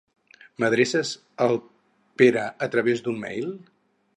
M'adreces al Pere a través d'un mail?